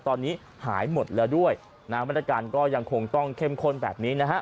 ตอนนี้หายหมดแล้วด้วยนะฮะบรรยากาศก็ยังคงต้องเข้มข้นแบบนี้นะฮะ